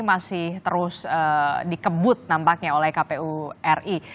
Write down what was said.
masih terus dikebut nampaknya oleh kpu ri